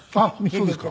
そうですか。